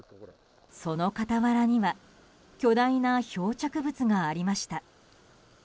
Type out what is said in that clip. その傍らには巨大な漂着物がありました。